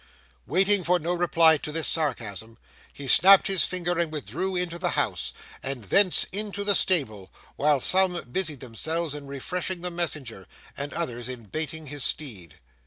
Waiting for no reply to this sarcasm, he snapped his fingers and withdrew into the house, and thence into the stable, while some busied themselves in refreshing the messenger, and others in baiting his steed.